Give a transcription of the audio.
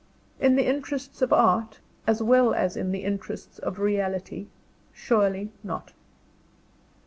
In the interests of Art, as well as in the interests of Reality, surely not!